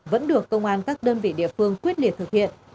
vẫn được công an các đơn vị địa phương quyết liệt thực hiện